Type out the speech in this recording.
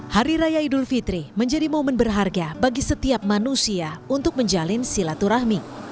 hari raya idul fitri menjadi momen berharga bagi setiap manusia untuk menjalin silaturahmi